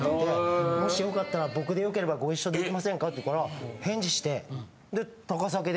もし良かったら僕でよければご一緒できませんか？」って言うから返事して。